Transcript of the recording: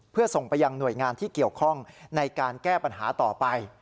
เพื่อส่งไปยังหน่วยงานที่เกี่ยวข้องในการแก้ปัญหาต่อไป